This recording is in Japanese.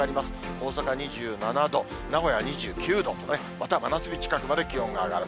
大阪２７度、名古屋２９度とね、また真夏日近くまで気温が上がる。